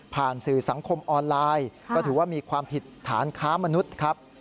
สื่อสังคมออนไลน์ก็ถือว่ามีความผิดฐานค้ามนุษย์ครับ